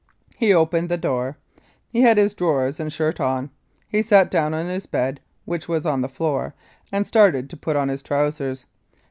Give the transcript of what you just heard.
He opened the door. He had his drawers and shirt on. He sat down on his bed, which was on the floor, and started to put on his trousers.